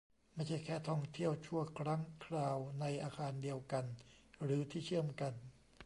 ไม่ใช่แค่ท่องเที่ยวชั่วครั้งคราว ในอาคารเดียวกันหรือที่เชื่อมกัน